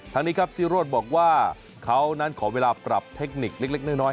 ทางนี้ครับซีโรธบอกว่าเขานั้นขอเวลาปรับเทคนิคเล็กน้อย